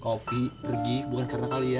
kak opi pergi bukan karena kalian